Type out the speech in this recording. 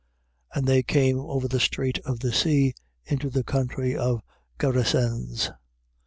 5:1. And they came over the strait of the sea, into the country of the Gerasens.